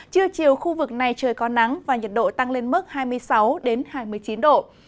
trưa chiều khu vực này trời có nắng và nhiệt độ tăng lên mức hai mươi sáu hai mươi chín độ